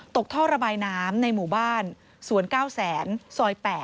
ท่อระบายน้ำในหมู่บ้านสวน๙แสนซอย๘